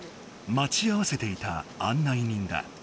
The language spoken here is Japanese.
まち合わせていた案内人だ。